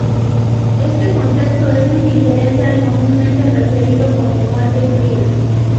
Este concepto es muy diferente al comúnmente referido como 'muerte fría'.